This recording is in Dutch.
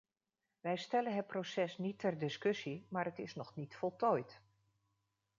Wij stellen het proces niet ter discussie, maar het is nog niet voltooid.